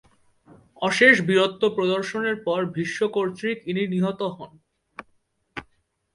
অশেষ বীরত্ব প্রদর্শনের পর ভীষ্ম কর্তৃক ইনি নিহত হন।